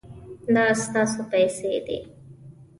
دا ستاسو پیسې دي